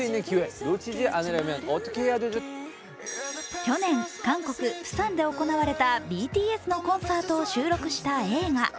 去年、韓国・プサンで行われたＢＴＳのコンサートを収録した映画。